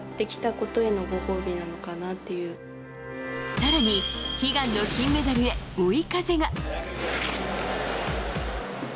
更に、悲願の金メダルへ追い風が。